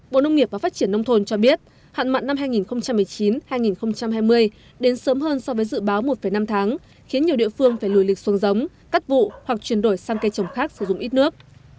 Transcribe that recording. bộ nông nghiệp và phát triển nông thôn cho biết hạn mặn năm hai nghìn một mươi chín hai nghìn hai mươi đến sớm hơn so với dự báo một năm tháng khiến nhiều địa phương phải lùi lịch xuống giống cắt vụ hoặc chuyển đổi sang cây trồng khác sử dụng ít nước